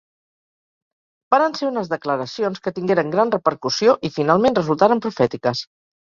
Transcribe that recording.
Varen ser unes declaracions que tingueren gran repercussió i finalment resultaren profètiques.